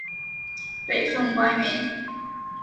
北宋官员。